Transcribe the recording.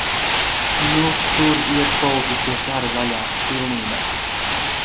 Nu tur iet politiskie kari vaļā pilnībā.